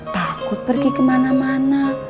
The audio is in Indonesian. takut pergi kemana mana